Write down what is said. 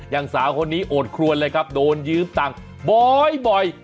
อย่างสาวคนนี้โอดครวนเลยครับโดนยืมตังค์บ่อย